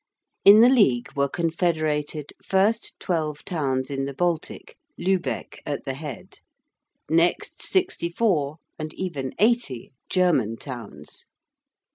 In the League were confederated: first, twelve towns in the Baltic, Lübeck at the head; next, sixty four and even eighty German towns.